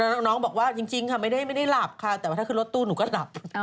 แล้วน้องบอกว่าจริงค่ะไม่ได้หลับค่ะแต่ว่าถ้าขึ้นรถตู้หนูก็หลับ